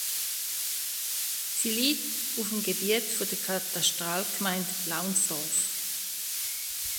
Sie liegt auf dem Gebiet der Katastralgemeinde Launsdorf.